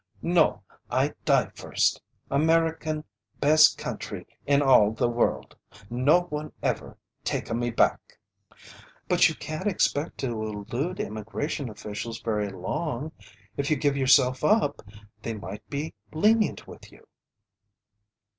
"No! I die first! American best country in all a the world! No one ever take a me back!" "But you can't expect to elude Immigration officials very long. If you give yourself up, they might be lenient with you."